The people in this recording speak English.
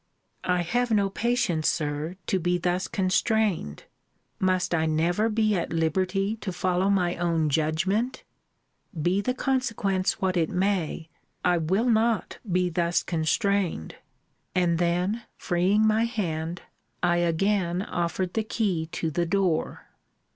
I have no patience, Sir, to be thus constrained. Must I never be at liberty to follow my own judgment? Be the consequence what it may, I will not be thus constrained. And then, freeing my hand, I again offered the key to the door.